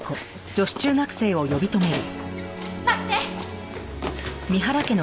待って！